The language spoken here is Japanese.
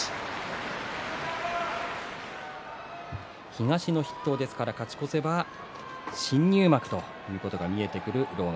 東の筆頭ですから勝ち越せば新入幕ということが見えてくる狼雅。